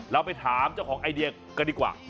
เราไปถามเจ้าของไอเดียกันดีกว่า